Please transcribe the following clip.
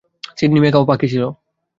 Sydney macaw পাখি ছিল।